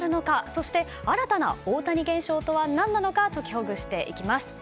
そして、新たな大谷現象とは何か解きほぐしていきます。